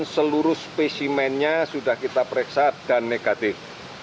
satu ratus delapan puluh delapan seluruh spesimennya sudah kita periksa dan negatif